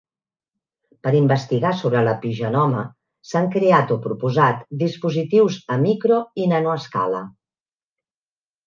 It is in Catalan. Per investigar sobre l'epigenoma s'han creat o proposat dispositius a micro i nanoescala.